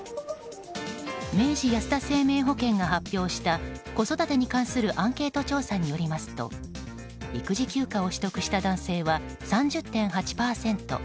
明治安田生命保険が発表した子育てに関するアンケート調査によりますと育児休暇を取得した男性は３０．８％。